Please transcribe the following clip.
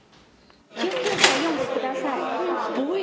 救急車呼んでください。